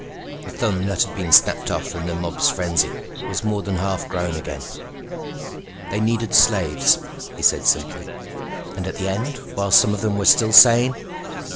The thumb that had been snapped off in the mob's frenzy was more than half grown again. "They needed slaves," he said simply. "And at the end, while some of them were still sane?"